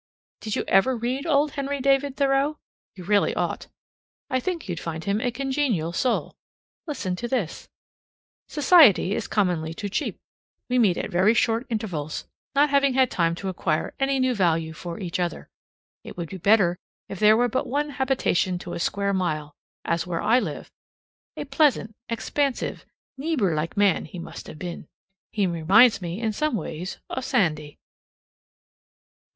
Did you ever read old Henry David Thoreau? You really ought. I think you'd find him a congenial soul. Listen to this: "Society is commonly too cheap. We meet at very short intervals, not having had time to acquire any new value for each other. It would be better if there were but one habitation to a square mile, as where I live." A pleasant, expansive, neebor like man he must have been! He minds me in some ways o' Sandy.